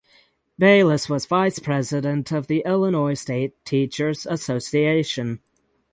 Bayliss was vice president of the Illinois State Teachers Association.